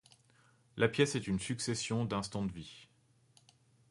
La pièce est une succession d'instants de vie.